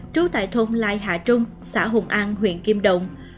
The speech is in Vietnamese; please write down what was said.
trú tại thôn lai hạ trung xã hùng an huyện kim động